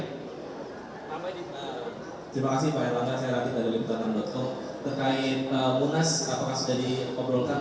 terima kasih pak erlangga saya ratit dari b dua puluh enam com